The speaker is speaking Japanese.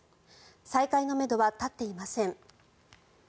再開のめどは立っていません。